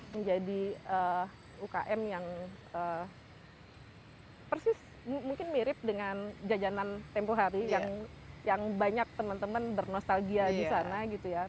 menjadi ukm yang persis mungkin mirip dengan jajanan tempoh hari yang banyak teman teman bernostalgia di sana gitu ya